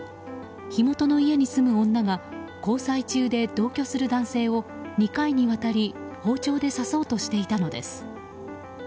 火元の家に住む女性が交際中で同居する男性を２回にわたり包丁で刺そうとしていたのです。